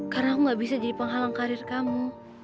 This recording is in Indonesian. karena aku gak bisa jadi penghalang karir kamu